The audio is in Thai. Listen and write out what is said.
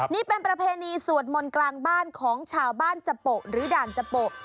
นี่เป็นประเพณีสวดมนต์กลางบ้านของชาวบ้านจโปะหรือด่านจโปะ